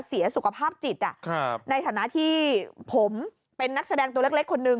เสียสุขภาพจิตในฐานะที่ผมเป็นนักแสดงตัวเล็กคนนึง